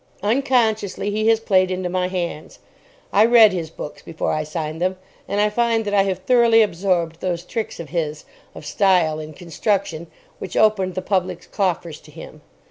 Unconsciously, he has played into my hands. I read his books before I signed them, and I find that I have thoroughly absorbed those tricks of his, of style and construction, which opened the public's coffers to him.